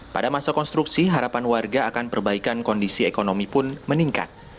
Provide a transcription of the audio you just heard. pada masa konstruksi harapan warga akan perbaikan kondisi ekonomi pun meningkat